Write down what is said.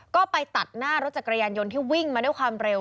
ก็ไปตัดหน้ารถจักรยานยนต์ที่วิ่งมาด้วยความเร็ว